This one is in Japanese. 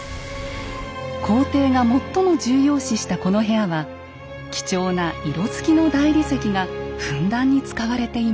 皇帝が最も重要視したこの部屋は貴重な色つきの大理石がふんだんに使われていました。